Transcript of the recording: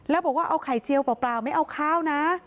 แล้วบอกว่าเอาไข่เจียวเปล่าไม่เอาข้าวนะ